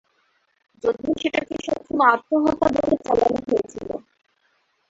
যদিও সেটাকে সেসময় আত্মহত্যা বলে চালানো হয়েছিল।